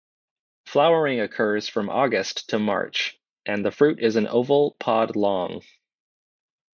Flowering occurs from August to March and the fruit is an oval pod long.